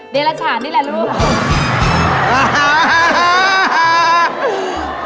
เดรฉานนี่แหละลูก